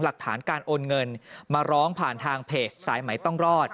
หลักฐานการโอนเงินมาร้องผ่านทางเพจสายใหม่ต้องรอด